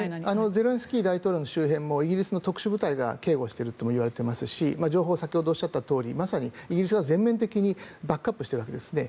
ゼレンスキー大統領の周辺もイギリスの特殊部隊が警護しているといわれていますが情報は先ほどおっしゃったようにまさにイギリスが全面的にバックアップしているわけですね。